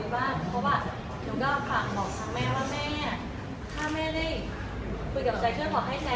แม่ผมก็อาจเปลี่ยนแม่ว่าแม่ถ้าแม่ได้คุยกับแซคเพื่อเผักให้แซค